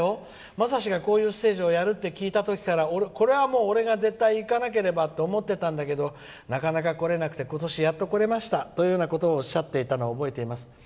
まさしがこういうステージをやるって聞いた時からこれは俺が絶対行かなければと思ってたんだけどなかなか来れなくて今年やっと来れましたということをおっしゃっていたのを覚えています。